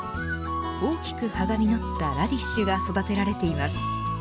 大きく葉が実ったラディッシュが育てられています。